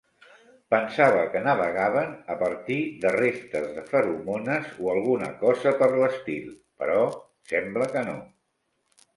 Pensava que navegaven a partir de restes de feromones o alguna cosa per l'estil, però sembla que no.